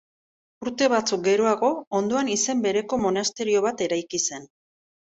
Urte batzuk geroago, ondoan izen bereko monasterio bat eraiki zen.